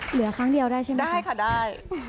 เหลือครั้งเดียวได้ใช่มั้ยคะได้ค่ะได้